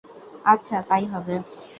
আচ্ছা, তাই হবে!